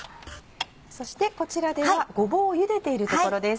そしてこちらではごぼうをゆでているところです。